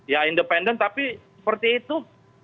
ya independen tapi seperti itu